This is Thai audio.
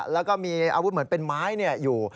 แล้วก็มีอาวุธเหมือนเป็นไม้อยู่